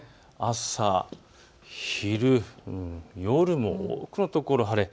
朝、昼、夜も多くの所、晴れ。